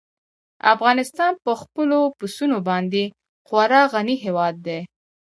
افغانستان په خپلو پسونو باندې خورا غني هېواد دی.